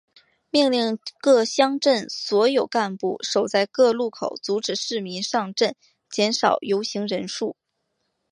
命令各乡镇所有干部守在各路口阻拦市民上镇减少游行人数。